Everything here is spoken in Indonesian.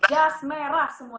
jas merah semua